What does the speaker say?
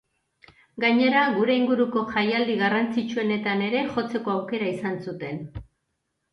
Gainera, gure inguruko jaialdi garrantzitsuenetan ere jotzeko auekra izan zuten.